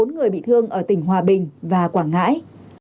bốn người bị thương ở tỉnh hòa bình và quảng ngãi